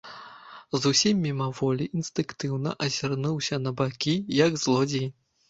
Зусім мімаволі, інстынктыўна азірнуўся на бакі, як злодзей.